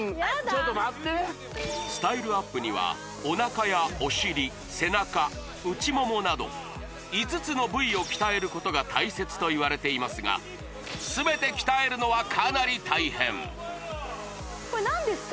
ちょっと待ってスタイルアップにはおなかやお尻背中内ももなど５つの部位を鍛えることが大切といわれていますが全て鍛えるのはかなり大変これ何ですか？